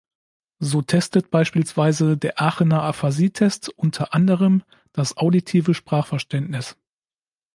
So testet beispielsweise der Aachener Aphasie-Test unter anderem das auditive Sprachverständnis.